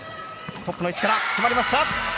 トップの位置から決まりました！